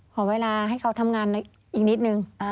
ขอเวลาให้เขาทำงานอีกนิดนึง